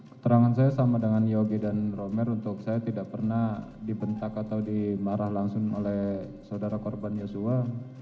keterangan saya sama dengan yogi dan romer untuk saya tidak pernah dibentak atau dimarah langsung oleh saudara korban yosua